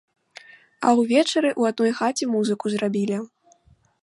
А ўвечары ў адной хаце музыку зрабілі.